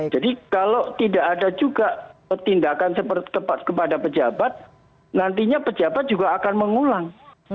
kalau tidak ada juga tindakan seperti kepada pejabat nantinya pejabat juga akan mengulang